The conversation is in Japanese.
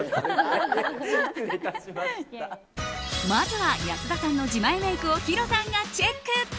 まずは安田さんの自前メイクをヒロさんがチェック。